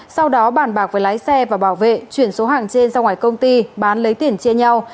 sau đó bàn bạc với lái xe và bảo vệ chuyển số hàng trên ra ngoài công ty bán lấy tiền chia nhau